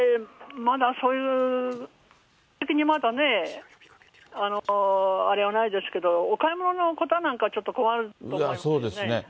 まだそういう、まだね、あれはないですけど、お買い物の方なんかはちょっと困ると思いますね。